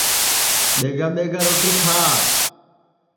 ٻیگا ٻیگا روٹی کھا